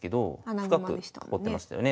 深く囲ってましたよね。